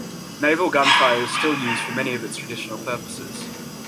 Naval gunfire is still used for many of its traditional purposes.